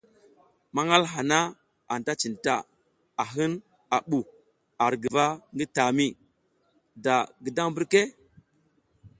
Manal haha anta cinta, a hin a bu ar guva ngi tami, da bidang mbirke?